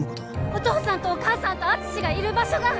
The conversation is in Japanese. お父さんとお母さんと敦がいる場所が